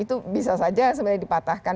itu bisa saja sebenarnya dipatahkan